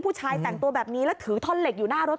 ผู้ชายแต่งตัวแบบนี้แล้วถือท่อนเหล็กอยู่หน้ารถ